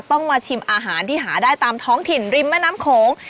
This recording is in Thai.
ต้องมาชิมอาหารที่หาได้ตามท้องถิ่นริมแม่น้ำโขง